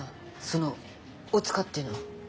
その「おつか」っていうの。